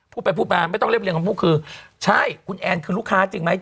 พูดไปพูดมาไม่ต้องเรียบเรียงคำพูดคือใช่คุณแอนคือลูกค้าจริงไหม